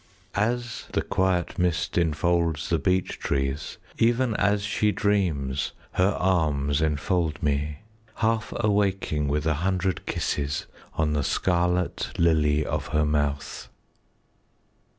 As the quiet mist enfolds the beech trees, 5 Even as she dreams her arms enfold me, Half awaking with a hundred kisses On the scarlet lily of her mouth.